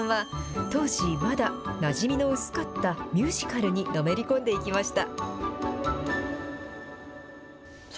草笛さんは、当時、まだなじみの薄かったミュージカルにのめり込んでいきました。